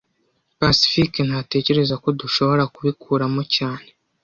Pacifique ntatekereza ko dushobora kubikuramo cyane